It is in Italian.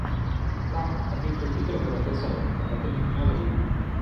La ha vinto il titolo per la terza volta, battendo in finale l'.